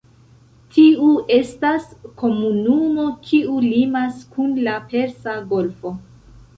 Tiu estas komunumo kiu limas kun la Persa Golfo.